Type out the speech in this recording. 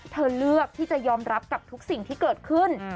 เลือกที่จะยอมรับกับทุกสิ่งที่เกิดขึ้น